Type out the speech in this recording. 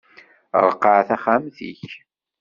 Ṛeqqeɛ taxxamt-ik!